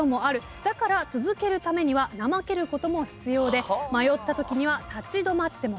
「だから続けるためには怠けることも必要で迷ったときには立ち止まってもいい」